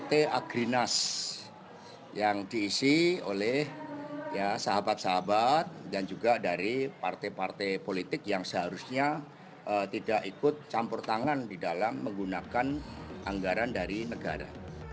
pt agrinas yang diisi oleh sahabat sahabat dan juga dari partai partai politik yang seharusnya tidak ikut campur tangan di dalam menggunakan anggaran dari negara